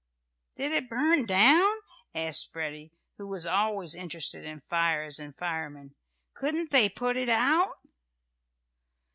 "Did it burn down?" asked Freddie, who was always interested in fires and firemen. "Couldn't they put it out?"